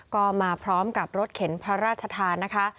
ก็มาพร้อมกับรถเข็นพระราชทานนะคะ